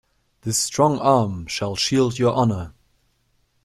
This strong arm shall shield your honor.